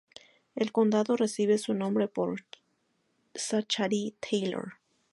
El condado recibe su nombre por Zachary Taylor.